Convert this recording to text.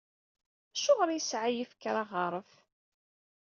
Acuɣer i yesɛa yifker aɣaref?